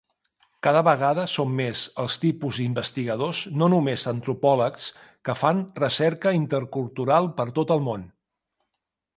Cada vegada són més els tipus d'investigadors, no només antropòlegs, que fan recerca intercultural per tot el món.